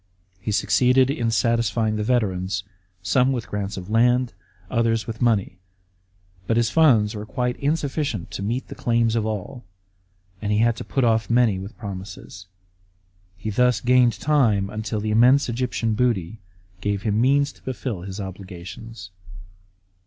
He succeeded in satisfying the veterans, some with grants of land, others with money ; but his funds were quite insufficient to meet the claims of all, and he had to put off many with promises. He thus gained time until the immense Egyptian booty gave him means to fulfil his obligations.